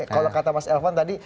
kalau kata mas elvan tadi